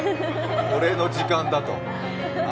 俺の時間だと。